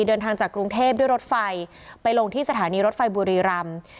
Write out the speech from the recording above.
เดินทางจากกรุงเทพด้วยรถไฟไปลงที่สถานีรถไฟบุรีรำ